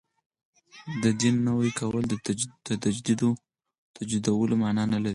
د دین نوی کول د تجدیدولو معنا نه لري.